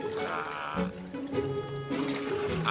bukannya abah gak suka